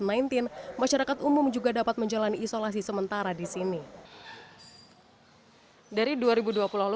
mainin masyarakat umum juga dapat menjalani isolasi sementara disini dari dua ribu dua puluh lalu